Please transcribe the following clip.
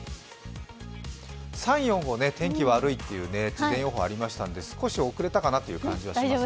３、４、５、天気が悪いっていう予報があったんで少し遅れたかなという感じがしますね。